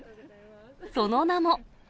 その名も。